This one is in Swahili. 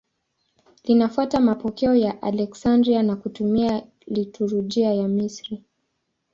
Linafuata mapokeo ya Aleksandria na kutumia liturujia ya Misri.